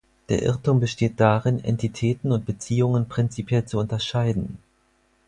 Der Irrtum besteht darin, Entitäten und Beziehungen prinzipiell zu unterscheiden.